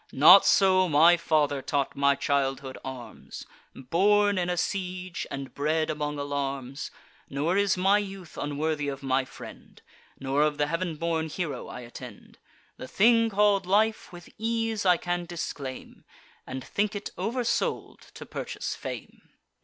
Not so my father taught my childhood arms; Born in a siege, and bred among alarms! Nor is my youth unworthy of my friend, Nor of the heav'n born hero I attend. The thing call'd life, with ease I can disclaim, And think it over sold to purchase fame."